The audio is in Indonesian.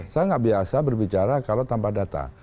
saya nggak biasa berbicara kalau tanpa data